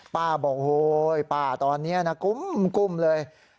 บอกโอ้ยป้าตอนนี้นะกุ้มเลย